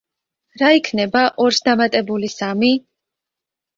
რა იქნება ორს დამატებული სამი?